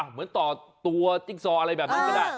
เหมือนต่อตัวจิ๊กซออะไรแบบนั้นก็ได้